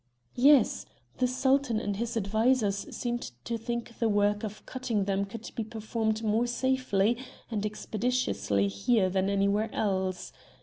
"Yes; the Sultan and his advisers seemed to think the work of cutting them could be performed more safely and expeditiously here than anywhere else.